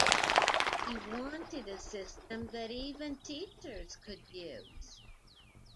He wanted a system that "even teachers could use".